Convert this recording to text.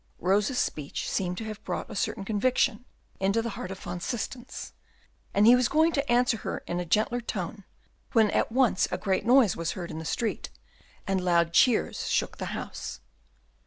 Rosa's speech seemed to have brought a certain conviction into the heart of Van Systens, and he was going to answer her in a gentler tone, when at once a great noise was heard in the street, and loud cheers shook the house.